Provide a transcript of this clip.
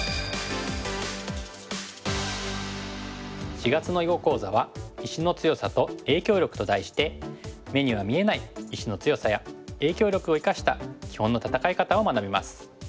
４月の囲碁講座は「石の強さと影響力」と題して目には見えない石の強さや影響力を生かした基本の戦い方を学びます。